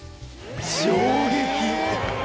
衝撃！